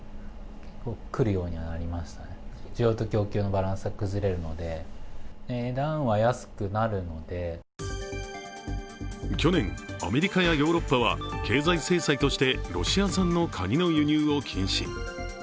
カニを仕入れる商社によると去年、アメリカやヨーロッパは経済制裁としてロシア産のカニの輸入を禁止。